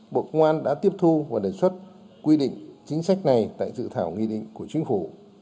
bộ công an đã tiếp thu và đề xuất quy định chính sách này tại dự thảo nghị định của chính phủ